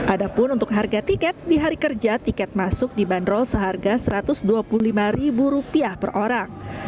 ada pun untuk harga tiket di hari kerja tiket masuk dibanderol seharga rp satu ratus dua puluh lima per orang